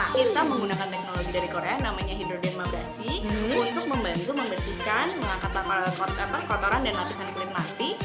kita menggunakan teknologi dari korea namanya hidrogen mabrasi untuk membantu membersihkan mengangkat kotoran dan lapisan kulit mati